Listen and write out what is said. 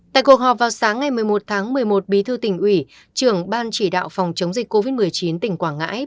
tại cuộc họp vào sáng ngày một mươi một tháng một mươi một bí thư tỉnh ủy trưởng ban chỉ đạo phòng chống dịch covid một mươi chín tỉnh quảng ngãi